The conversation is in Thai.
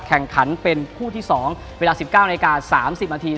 แข่งขันเป็นคู่ที่๒เวลา๑๙นาที๓๐นาที